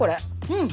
うん！